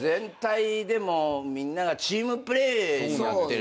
でもみんながチームプレーになってるね。